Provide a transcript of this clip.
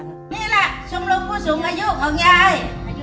นี่แหละชมรมผู้สูงอายุของยาย